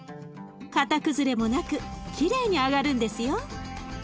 形崩れもなくきれいに揚がるんですよ。